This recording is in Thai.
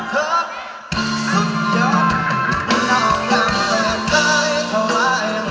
ทั้งเมื่อก็ใหม่